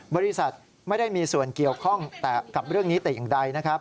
บริษัทไม่ได้มีส่วนเกี่ยวข้องกับเรื่องนี้แต่อย่างใดนะครับ